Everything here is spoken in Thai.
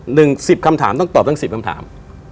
หนึ่ง๑๐คำถามต้องตอบทั้ง๑๐คำถาม